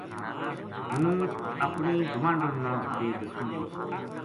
ہوں اپنی گماہنڈن نا بے دسوں گی